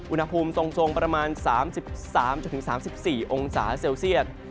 อุณหภูมิทรงประมาณ๓๓๔องศาเซลเซียต